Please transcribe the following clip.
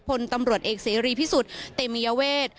พลตำรวจเอกเสรีพิสุทธิ์เตมียเวท